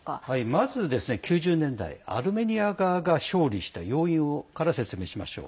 まず９０年代、アルメニア側が勝利した要因から説明しましょう。